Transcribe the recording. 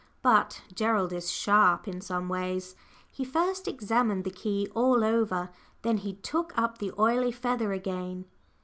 But Gerald is sharp in some ways. He first examined the key all over. Then he took up the oily feather again.